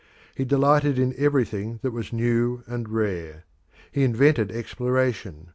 He delighted in everything that was new and rare. He invented exploration.